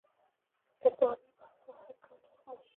এ দলে "ভাল" হ্যাকার ও "মন্দ" হ্যাকার সবাই আছে।